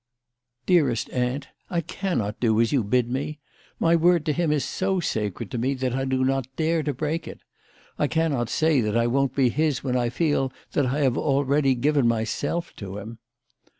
" Dearest Aunt, I cannot do as you bid me. My word to him is so sacred to me that I do not dare to break it. I cannot say that I won't be his when I feel that I have already given myself to him.